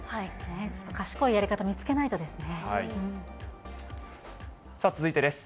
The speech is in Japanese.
ちょっと賢いやり方見つけないと続いてです。